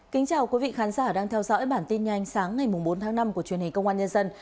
kính chào quý vị khán giả đang theo dõi bản tin nhanh sáng ngày bốn tháng năm của truyền hình công an nhân dân